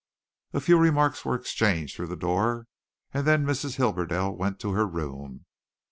A few remarks were exchanged through the door and then Mrs. Hibberdell went to her room.